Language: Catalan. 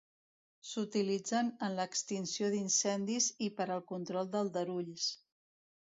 S'utilitzen en l'extinció d'incendis i per al control d'aldarulls.